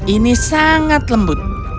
ini sangat lembut